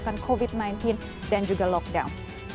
penyebaran covid sembilan belas dan juga lockdown